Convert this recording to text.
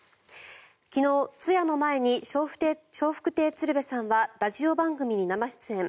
昨日、通夜の前に笑福亭鶴瓶さんはラジオ番組に生出演。